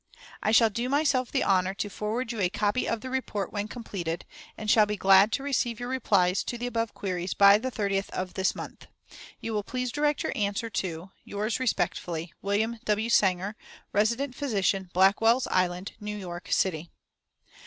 "I shall do myself the honor to forward you a copy of the report when completed, and shall be glad to receive your replies to the above queries by the 30th of this month. You will please direct your answer to "Yours respectfully, "WILLIAM W. SANGER, "Resident Physician, Blackwell's Island, New York City."